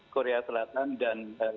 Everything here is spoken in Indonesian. korea selatan dan